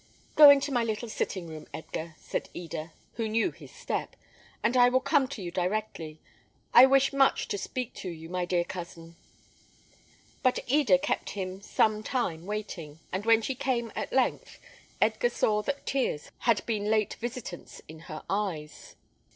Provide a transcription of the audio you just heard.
"Go into my little sitting room, Edgar," said Eda, who knew his step, "and I will come to you directly. I wish much to speak to you, my dear cousin." But Eda kept him some time waiting, and when she came at length, Edgar saw that tears had been late visitants in her eyes.